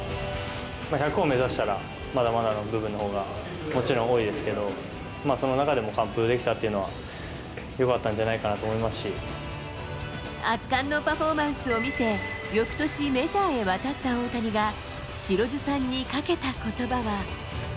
１００を目指したらまだまだな部分のほうがもちろん多いですけど、その中でも完封できたというのはよかったんじゃないかなと思いま圧巻のパフォーマンスを見せ、よくとし、メジャーへ渡った大谷が白水さんにかけたことばは。